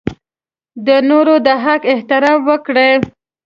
د نورو د حق احترام وکړئ.